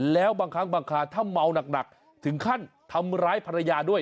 แล้วบางครั้งบางคราถ้าเมาหนักถึงขั้นทำร้ายภรรยาด้วย